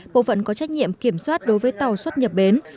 bộ phận có trách nhiệm kiểm soát đối với tàu xuất nhập bến